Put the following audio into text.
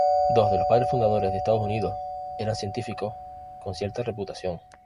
Dos de los padres fundadores de Estados Unidos eran científicos con cierta reputación.